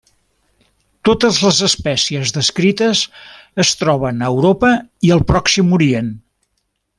Totes les espècies descrites es troben a Europa i el Pròxim Orient.